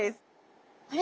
あれ？